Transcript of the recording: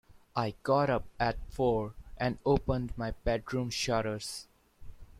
I got up at four and opened my bedroom shutters.